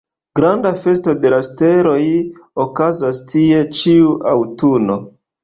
Granda festo de la steloj okazas tie ĉiu aŭtuno.